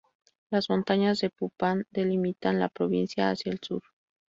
Las montañas de Phu Phan delimitan la provincia hacia el sur.